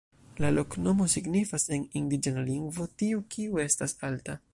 La loknomo signifas en indiĝena lingvo: tiu kiu estas alta.